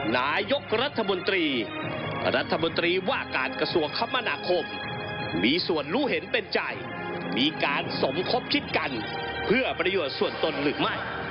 นายกรัฐมนตรีรัฐมนตรีว่าการกระทรวงคมนาคมมีส่วนรู้เห็นเป็นใจมีการสมคบคิดกันเพื่อประโยชน์ส่วนตนหรือไม่